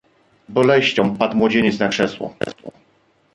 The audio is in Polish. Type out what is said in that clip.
"Z boleścią padł młodzieniec na krzesło."